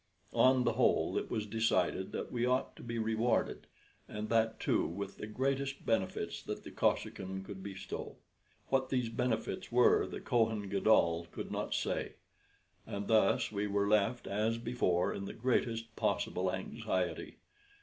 On the whole it was decided that we ought to be rewarded, and that, too, with the greatest benefits that the Kosekin could bestow. What these benefits were the Kohen Gadol could not say; and thus we were left, as before, in the greatest possible anxiety.